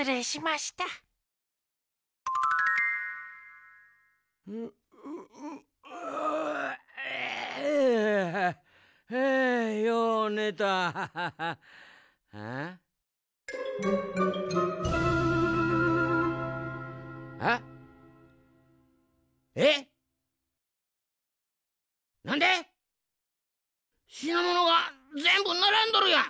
しなものがぜんぶならんどるやん！